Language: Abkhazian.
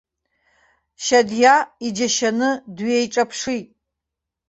Шьадиа иџьашьаны дҩеиҿаԥшит.